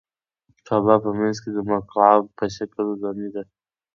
کعبه په منځ کې د مکعب په شکل ودانۍ ده.